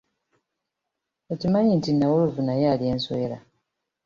Okimanyi nti nnawolovu naye alya enswera?